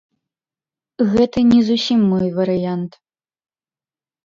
Гэта не зусім мой варыянт.